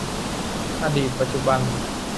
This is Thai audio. อดีตปัจจุบัน